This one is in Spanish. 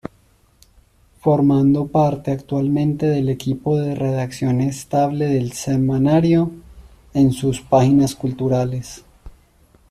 Formando parte actualmente del equipo de redacción estable del semanario, en sus páginas culturales.